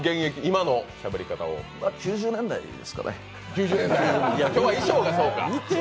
９０年代ですかね。